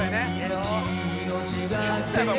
ちょっとやっぱ